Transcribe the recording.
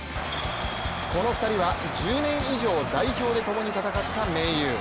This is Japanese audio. この２人は１０年以上代表でともに戦った盟友。